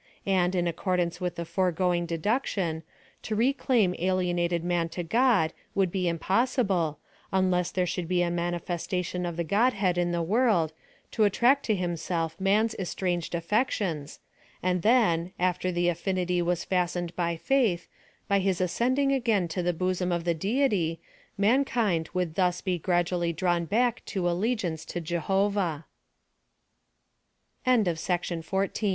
And, in accordance with the foresfoinor de duction, to reclaim alienated man to God would be impossible, unless there should be a manifestation of the Godhead in the world, to attract to himself man's estranged affections, and then, after the affin ity was fastened by faith, by his ascending again to the bosom of the Deity, mankind would thus be gradually drawn back to allegiance to Jehovali. 6. ILLUSTRAT